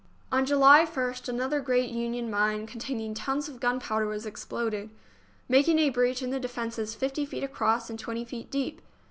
On July 1st another great Union mine con taining tons of gunpowder was exploded, mak ing a breach in the defences fifty feet across and twenty feet deep.